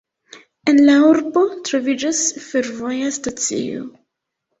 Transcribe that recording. En la urbo troviĝas fervoja stacio.